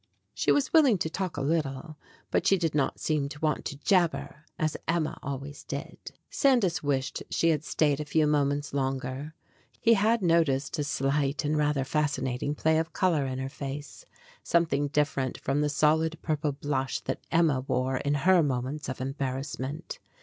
She was willing to talk a little, but she did not seem to want to jabber, as Emma always did. Sandys wished she had stayed a few moments longer. He had noticed a slight and rather fascinating play of color in her face, some thing different from the solid purple blush that Emma wore in her moments of embarrassment.